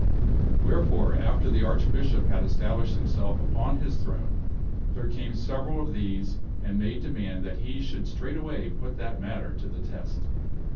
Wherefore after the Archbishop had established himself upon his throne, there came several of these and made demand that he should straightway put that matter to the test.